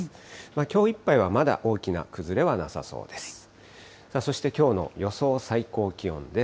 きょういっぱいはまだ大きな崩れはなさそうです。